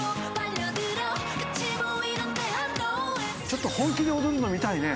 ちょっと本気で踊るの見たいね。